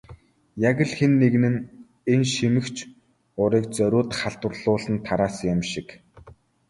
Яг л хэн нэг нь энэ шимэгч урыг зориуд халдварлуулан тараасан юм шиг.